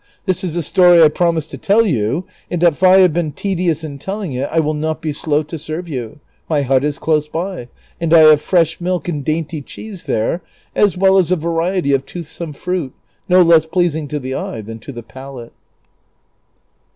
Tliis is the story I promised to tell you, and if I have been tedious in telling it, I will not be slow to serve you ; my hut is close by, and I have fresh milk and dainty cheese thei c, as well as a variety of toothsome fruit, no less pleasing to the eye than to the palate.